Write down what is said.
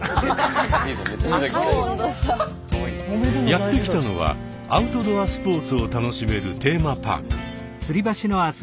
やって来たのはアウトドアスポーツを楽しめるテーマパーク。